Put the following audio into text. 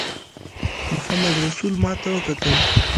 محمدرسول ماته وکتل.